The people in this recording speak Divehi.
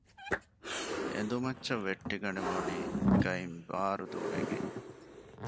އެނދު މައްޗަށް ވެއްޓިގަނެވުނީ ގައިން ބާރު ދޫވެގެން